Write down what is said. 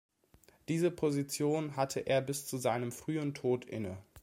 Diese Position hatte er bis zu seinem frühen Tode inne.